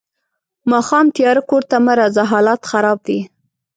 ماښام تیارۀ کور ته مه راځه حالات خراب دي.